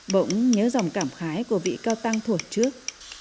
bỗng nhớ dòng cảm khái của vị cao tăng thuột trước